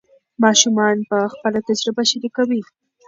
ماشومان به خپله تجربه شریکوي.